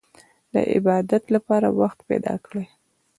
د عبادت لپاره وخت پيدا کړئ.